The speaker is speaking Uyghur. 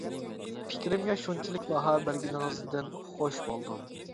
پىكرىمگە شۇنچىلىك باھا بەرگىنىڭىزدىن خۇش بولدۇم.